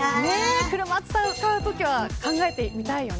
車を使うときは考えてみたいよね。